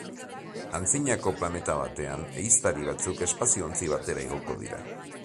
Antzinako planeta batean, ehiztari batzuk espazio-ontzi batera igoko dira.